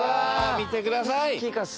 見てください！